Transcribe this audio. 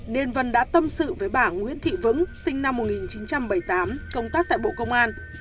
nên vân đã tâm sự với bà nguyễn thị vững sinh năm một nghìn chín trăm bảy mươi tám công tác tại bộ công an